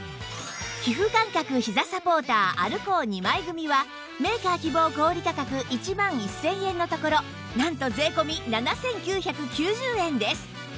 皮膚感覚ひざサポーターアルコー２枚組はメーカー希望小売価格１万１０００円のところなんと税込７９９０円です